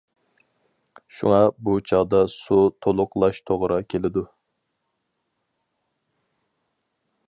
شۇڭا، بۇ چاغدا سۇ تولۇقلاشقا توغرا كېلىدۇ.